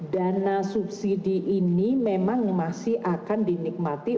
dana subsidi ini memang masih akan dinikmati